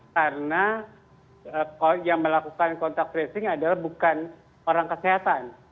karena yang melakukan kontak tracing adalah bukan orang kesehatan